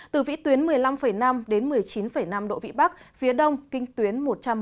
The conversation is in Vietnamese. từ vĩ tuyến một mươi năm năm đến một mươi chín năm độ vĩ bắc phía đông kinh tuyến một trăm một mươi